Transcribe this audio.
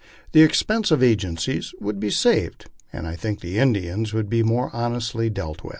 The expense of agencies would be saved, and I think the Indians would be more honestly dealt by.